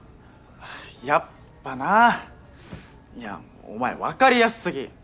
やっぱないやお前分かりやすすぎ！